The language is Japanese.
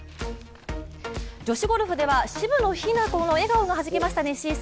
女子ゴルフでは渋野日向子の笑顔がはじけましたね。